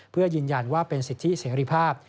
เพื่อยืนยันว่าเป็นสิทธิเสรีภาพ